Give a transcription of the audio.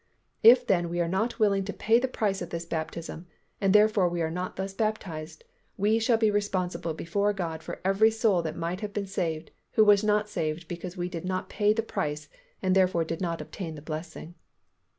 If then we are not willing to pay the price of this baptism and therefore are not thus baptized we shall be responsible before God for every soul that might have been saved who was not saved because we did not pay the price and therefore did not obtain the blessing.